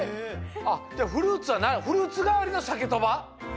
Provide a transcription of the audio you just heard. じゃあフルーツはフルーツがわりのサケとば？